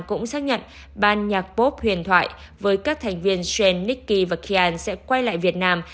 cũng xác nhận ban nhạc pop huyền thoại với các thành viên schen nikki và kian sẽ quay lại việt nam